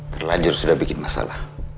terlanjur sudah bikin masalah